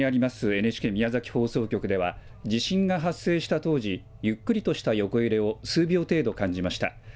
ＮＨＫ宮崎放送局では、地震が発生した当時、ゆっくりとした横揺れを数秒程度感じました。